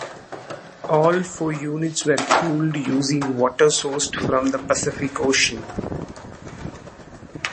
All four units were cooled using water sourced from the Pacific Ocean.